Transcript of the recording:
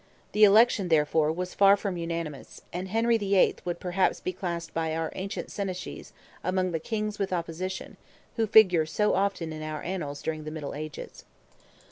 The election, therefore, was far from unanimous, and Henry VIII. would perhaps be classed by our ancient Senachies among the "Kings with opposition," who figure so often in our Annals during the Middle Ages.